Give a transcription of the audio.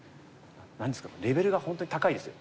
何ですかレベルが本当に高いですよ。